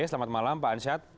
selamat malam pak ansyat